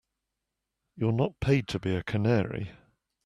You're not paid to be a canary.